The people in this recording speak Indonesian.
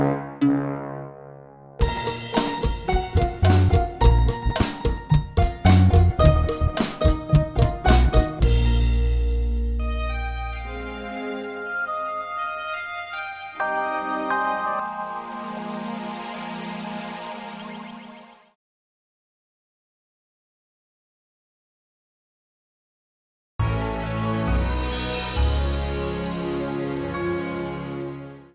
aduh biangnya tut cocok sama si dudung